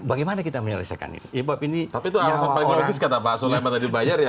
bagaimana kita menyelesaikan ini ibab ini tapi itu harus apa apa sudah pas oleh mana dibayar ya